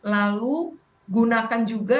lalu gunakan juga sistem pengaduan yang ada di sekolah